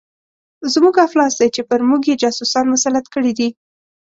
زموږ افلاس دی چې پر موږ یې جاسوسان مسلط کړي دي.